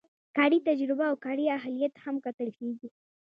کاري تجربه او کاري اهلیت هم کتل کیږي.